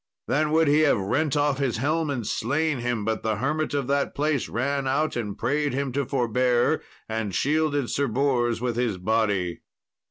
Then would he have rent off his helm and slain him, but the hermit of that place ran out, and prayed him to forbear, and shielded Sir Bors with his body.